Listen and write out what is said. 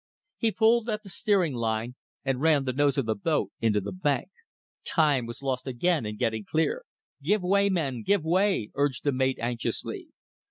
He pulled at the steering line, and ran the nose of the boat into the bank. Time was lost again in getting clear. "Give way, men! give way!" urged the mate, anxiously.